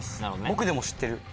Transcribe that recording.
僕でも知ってる。